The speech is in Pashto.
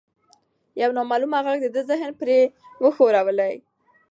یو نامعلومه غږ د ده د ذهن پردې وښورولې.